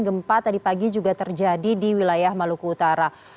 gempa tadi pagi juga terjadi di wilayah maluku utara